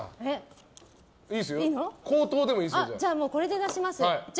じゃあ、これで出します。